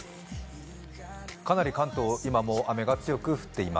かなり関東、今も雨が強く降っています。